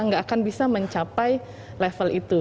nggak akan bisa mencapai level itu